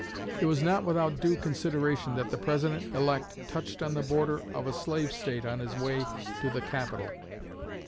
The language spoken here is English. It was not without due consideration that the President elect touched on the border of a slave State on his way to the capital.